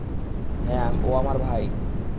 হ্যাঁ, ও আমার ভাই।